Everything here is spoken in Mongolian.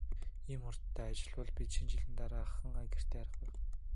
Ийм хурдтай ажиллавал бол бид Шинэ жилийн дараахан гэртээ харих байх.